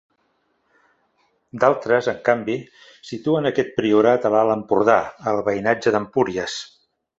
D'altres en canvi, situen aquest priorat a l'alt Empordà, al veïnatge d'Empúries.